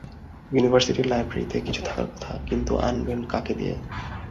University লাইব্রেরিতে কিছু থাকার কথা, কিন্তু আনাবেন কাকে দিয়ে?